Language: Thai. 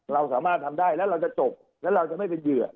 เราสามารถทำได้แล้วเราจะจบแล้วเราจะไม่เป็นเหยื่อ